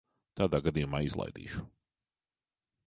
Tādā gadījumā izlaidīšu.